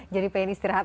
jadi pengen istirahat